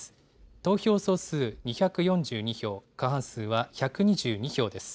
投票総数２４２票、過半数は１２２票です。